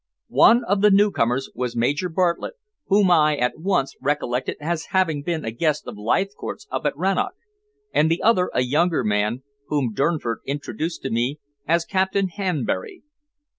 One of the newcomers was Major Bartlett, whom I at once recollected as having been a guest of Leithcourt's up at Rannoch, and the other a younger man whom Durnford introduced to me as Captain Hanbury.